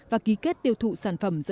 và ký kết tiêu thụ sản phẩm